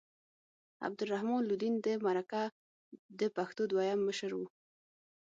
عبدالرحمن لودین د مرکه د پښتو دویم مشر و.